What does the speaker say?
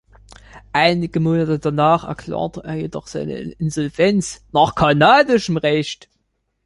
Einige Monate danach erklärte er jedoch seine Insolvenz nach kanadischem Recht.